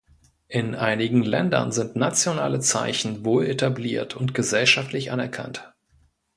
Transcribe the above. In einigen Ländern sind nationale Zeichen wohl etabliert und gesellschaftlich anerkannt.